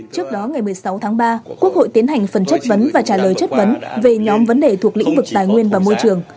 trước đó ngày một mươi sáu tháng ba quốc hội tiến hành phần chất vấn và trả lời chất vấn về nhóm vấn đề thuộc lĩnh vực tài nguyên và môi trường